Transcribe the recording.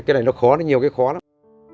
cái này nó khó nhiều cái khó lắm